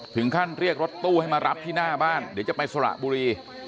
ถึงขั้นเรียกรถตู้ให้มารับที่หน้าบ้านเดี๋ยวจะไปสระบุรี